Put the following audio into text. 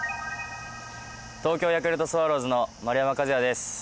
東京ヤクルトスワローズの丸山和郁です。